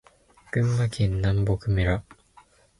群馬県南牧村